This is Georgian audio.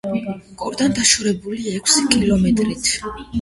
გორიდან დაშორებულია ექვსი კილომეტრით.